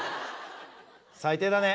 最低だね。